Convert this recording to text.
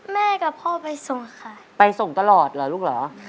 แม่กับพ่อไปส่งค่ะไปส่งตลอดเหรอลูกเหรอ